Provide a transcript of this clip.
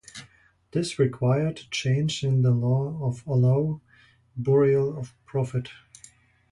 This required a change in the law to allow burial for profit.